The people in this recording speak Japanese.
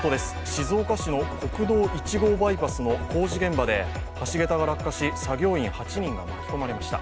静岡市の国道１号バイパスの工事現場で橋桁が落下し、作業員８人が巻き込まれました。